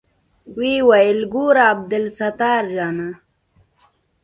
ويې ويل ګوره عبدالستار جانه.